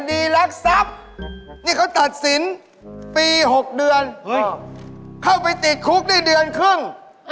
รักทรัพย์นี่เขาตัดสินปี๖เดือนเข้าไปติดคุกได้เดือนครึ่ง